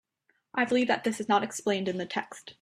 I believe that this is not explained in the text.